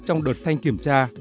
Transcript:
trong đợt thanh kiểm tra